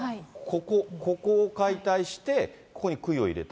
ここを解体して、ここにくいを入れた？